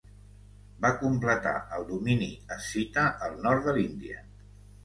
Va completar el domini escita al nord de l'Índia.